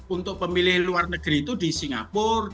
untuk pemilih luar negeri itu di singapura